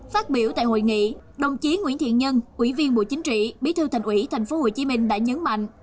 phát biểu tại hội nghị đồng chí nguyễn thiện nhân ủy viên bộ chính trị bí thư thành ủy tp hcm đã nhấn mạnh